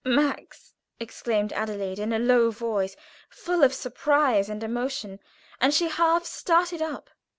"Max!" exclaimed Adelaide, in a low voice, full of surprise and emotion, and she half started up.